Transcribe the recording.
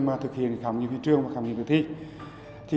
mà thực hiện khám nghiệm hiện trường và khám nghiệm tử thi